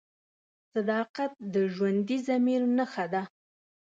صداقت د ژوندي ضمیر نښه ده.